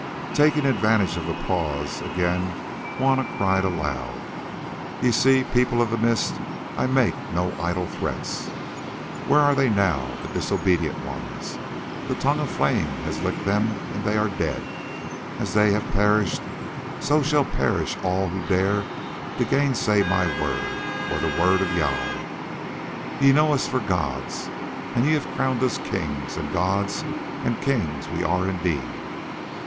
Taking advantage of the pause, again Juanna cried aloud: "Ye see, People of the Mist, I make no idle threats. Where are they now, the disobedient ones? The tongue of flame has licked them and they are dead, and as they have perished, so shall all perish who dare to gainsay my word, or the word of Jâl. Ye know us for gods and ye have crowned us kings, and gods and kings we are indeed.